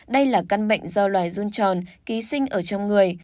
đây là căn bệnh do loài run tròn ký sinh ở trong người